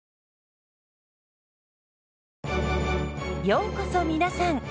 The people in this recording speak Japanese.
ようこそ皆さん。